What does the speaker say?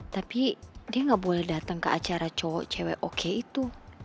tapi dia nggak boleh datang ke acara cowok cewek oke itu